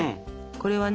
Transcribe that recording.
これはね。